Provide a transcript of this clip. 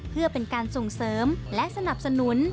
เพื่อเป็นการส่งเสริมและสนับสนุน